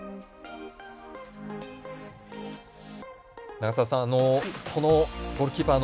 永里さん、このゴールキーパー